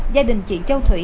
gia đình chị châu thủy